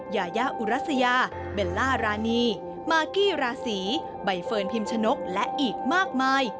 ยายาอุรัสยาเบลล่ารานีมากกี้ราศีใบเฟิร์นพิมชนกและอีกมากมาย